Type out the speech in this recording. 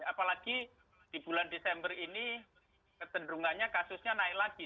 apalagi di bulan desember ini kecenderungannya kasusnya naik lagi